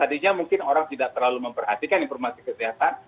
tadinya mungkin orang tidak terlalu memperhatikan informasi kesehatan